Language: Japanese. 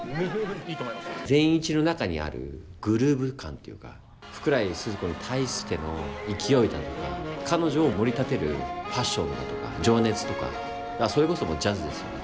善一の中にあるグルーヴ感というか福来スズ子に対しての勢いだとか彼女をもり立てるパッションだとか情熱とかそれこそジャズですよね